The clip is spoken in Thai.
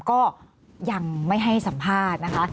ก็ยังไม่ให้สัมภาษณ์นะคะ